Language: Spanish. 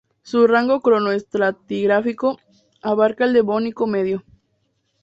Su rango cronoestratigráfico abarcaba el Devónico medio.